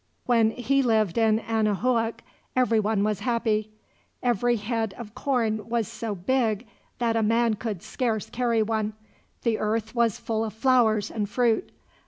When he lived in Anahuac everyone was happy. Every head of corn was so big that a man could scarce carry one. The earth was full of flowers and fruit.